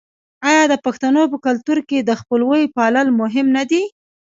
آیا د پښتنو په کلتور کې د خپلوۍ پالل مهم نه دي؟